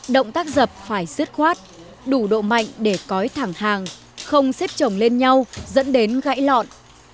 động tác dập phải xiết khoát đủ độ mạnh để cói thẳng hàng không xếp trồng lên nhau dẫn đến gãy lọn